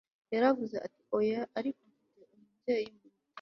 Yaravuze ati Oya ariko mfite umubyeyi mu bitaro bya